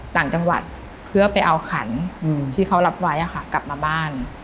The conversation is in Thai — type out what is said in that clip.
ต่างจังหวัดเพื่อไปเอาขันที่เขารับไว้กลับมาบ้าน